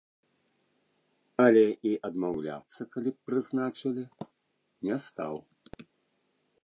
Але і адмаўляцца, калі б прызначылі, не стаў.